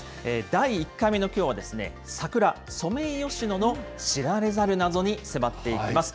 第１回目のきょうは、桜、ソメイヨシノの知られざる謎に迫っていきます。